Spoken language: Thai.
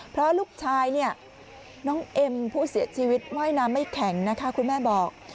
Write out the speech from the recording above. เพราะลูกชายเนี่ยน้องเอ็มผู้เสียชีวิตว่ายน้ำไม่แข็งนะคะคุณแม่บอก